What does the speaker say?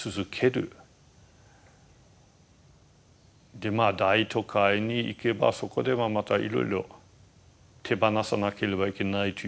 でまあ大都会に行けばそこではまたいろいろ手放さなければいけないというものもあると思いますし。